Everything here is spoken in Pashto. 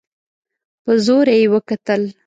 په زوره يې وکتل.